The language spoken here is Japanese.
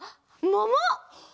もも！